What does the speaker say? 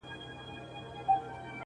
هنري پروګرامونه استعداد ښکاره کوي